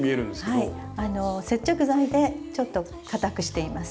あの接着剤でちょっと硬くしています。